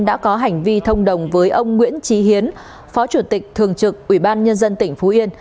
đã có hành vi thông đồng với ông nguyễn trí hiến phó chủ tịch thường trực ủy ban nhân dân tỉnh phú yên